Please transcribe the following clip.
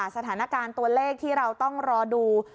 สถานการณ์ตัวเลขที่เราต้องรอดู